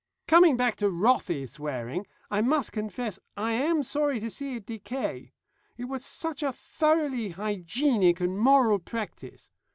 "Coming back to wrathy swearing, I must confess I am sorry to see it decay. It was such a thoroughly hygienic and moral practice.